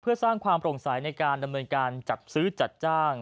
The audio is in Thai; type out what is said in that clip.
เพื่อสร้างความโปร่งใสในการดำเนินการจัดซื้อจัดจ้าง